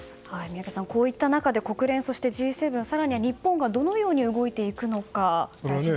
宮家さん、こういった中で国連、Ｇ７更には日本がどのように動いていくのか大事になりますね。